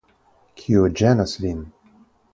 Kio ĝenas vin?